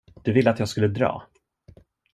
Du ville att jag skulle dra.